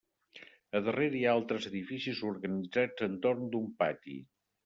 Al darrere hi ha altres edificis organitzats entorn d'un pati.